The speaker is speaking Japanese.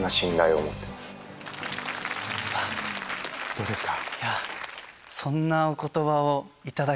どうですか？